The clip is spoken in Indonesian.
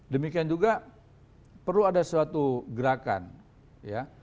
demikian juga perlu ada suatu gerakan ya